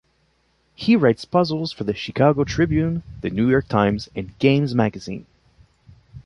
He writes puzzles for the "Chicago Tribune", the "New York Times", and "Games" magazine.